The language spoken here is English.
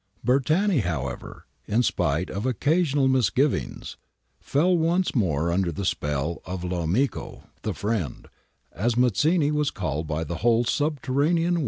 ^ Bertani, however, in spite of occasional misgivings, fell once more under the spell of lamico — 'the friend' — as Mazzini was called by the whole subterranean world ^ Rome MSS.